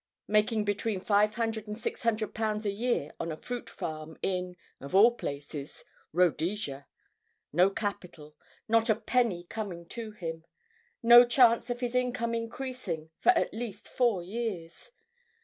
Making between ôÈ500 and ôÈ600 a year on a fruit farm in—of all places—Rhodesia. No capital. Not a penny coming to him. No chance of his income increasing for at least four years.